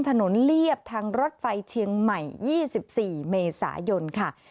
เรียบทางรถไฟเชียงใหม่๒๔เมษายนค่ะ